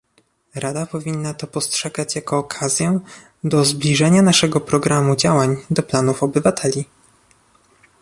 Rada powinna to postrzegać jako okazję do zbliżenia naszego programu działań do planów obywateli